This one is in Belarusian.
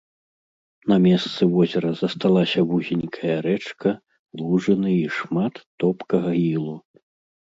На месцы возера засталася вузенькая рэчка, лужыны і шмат топкага ілу.